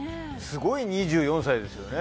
すごい２４歳ですよね。